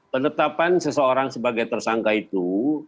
penetapan seseorang sebagai tersangka itu